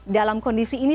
dalam kondisi ini